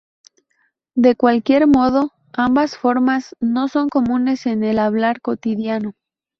De cualquier modo, ambas formas no son comunes en el hablar cotidiano.